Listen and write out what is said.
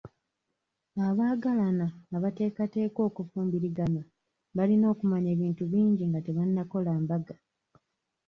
Abaagalana abateekateeka okufumbiriganwa balina okumanya ebintu bingi nga tebannakola mbaga.